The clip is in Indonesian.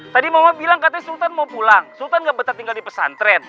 tadi mama bilang katanya sultan mau pulang sultan gak betah tinggal di pesantren